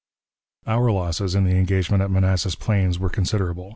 Our losses in the engagement at Manassas Plains were considerable.